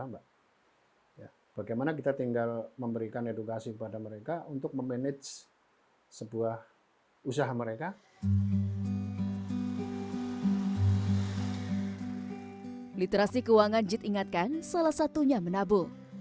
naas berdasarkan data kerugian akibat kebakaran tersebut mencapai delapan ratus juta hingga satu miliar rupiah